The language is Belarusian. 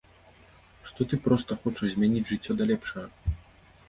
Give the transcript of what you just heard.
Што ты проста хочаш змяніць жыццё да лепшага.